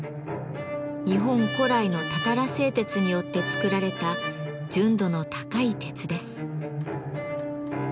日本古来のたたら製鉄によって作られた純度の高い鉄です。